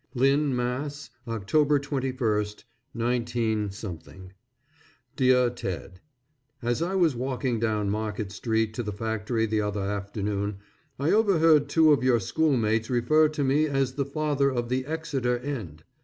LYNN, MASS., _October 21, 19 _ DEAR TED: As I was walking down Market Street to the factory the other afternoon, I overheard two of your old schoolmates refer to me as the father of the Exeter end.